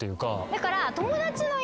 だから。